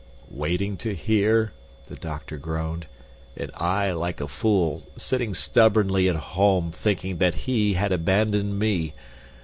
"Waiting to hear" the doctor groaned "and I, like a fool, sitting stubbornly at home, thinking that he had abandoned me.